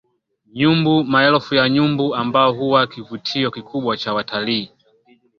Nyumbu Maelfu ya nyumbu ambao huwa kivutio kikubwa cha watalii